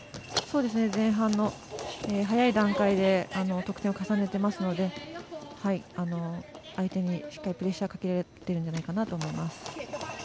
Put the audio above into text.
前半の早い段階で得点を重ねてますので相手にしっかりプレッシャーをかけているんじゃないかなと思います。